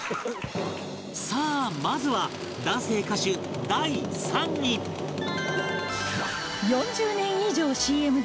さあまずは男性歌手第３位あ！